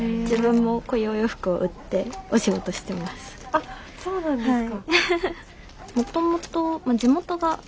あっそうなんですか。